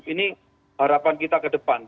ini harapan kita ke depan